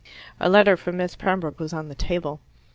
A letter from Miss Pembroke was on the table.